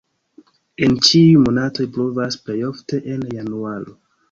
En ĉiuj monatoj pluvas, plej ofte en januaro.